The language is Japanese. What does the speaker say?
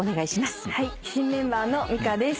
新メンバーのミカです。